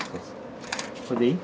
これでいい？